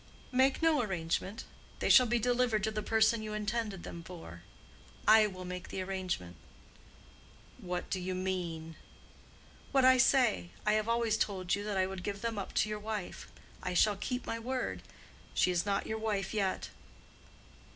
"Make no arrangement. They shall be delivered to the person you intended them for. I will make the arrangement." "What do you mean?" "What I say. I have always told you that I would give them up to your wife. I shall keep my word. She is not your wife yet."